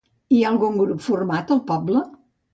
Hi ha algun grup format al poble?